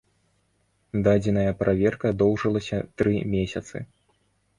Дадзеная праверка доўжылася тры месяцы.